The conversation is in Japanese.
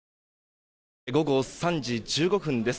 午後３時１５分です。